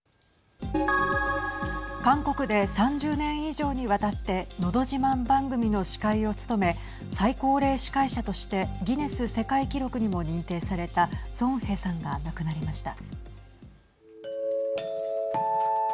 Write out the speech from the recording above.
韓国で３０年以上にわたってのど自慢番組の司会を務め最高齢司会者としてギネス世界記録にも認定されたソン・ヘさんが亡くなりました。